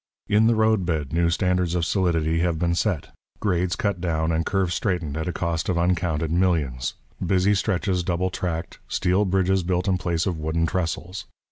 In the road bed, new standards of solidity have been set, grades cut down and curves straightened at a cost of uncounted millions, busy stretches double tracked, steel bridges built in place of wooden trestles.